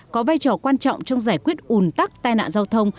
có vai trò quan trọng trong giải quyết ùn tắc tai nạn giao thông